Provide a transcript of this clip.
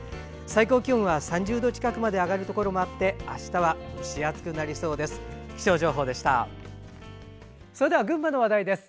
最高気温は３０度近くまで上がるところもあってあしたは蒸し暑くなりそうです。